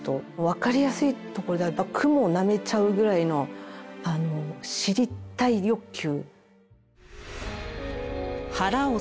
分かりやすいところではクモをなめちゃうぐらいの知りたい欲求。